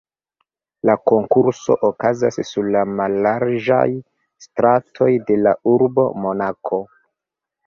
La konkurso okazas sur la mallarĝaj stratoj de la urbo Monako.